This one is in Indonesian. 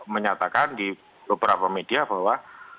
menyatakan di beberapa media bahwa